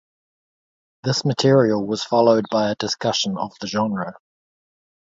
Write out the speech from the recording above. This material was followed by a discussion of the genre.